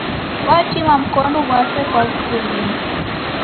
Watima mkonu ghwape kwa w'ukulima.